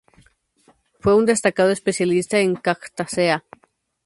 Fue un destacado especialista en Cactaceae.